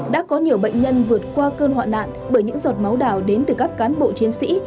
đã có nhiều bệnh nhân vượt qua cơn hoạn nạn bởi những giọt máu đào đến từ các cán bộ chiến sĩ